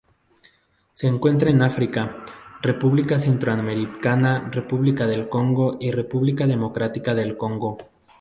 Se encuentran en África: República Centroafricana, República del Congo y República Democrática del Congo.